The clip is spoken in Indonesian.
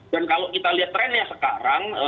dan kalau kita lihat trennya sekarang